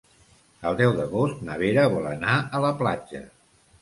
El deu d'agost na Vera vol anar a la platja.